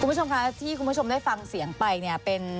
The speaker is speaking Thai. คุณผู้ชมคะที่คุณผู้ชมได้ฟังเสียงไปเนี่ยเป็น